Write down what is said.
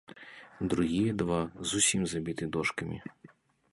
Другія два зусім забіты дошкамі.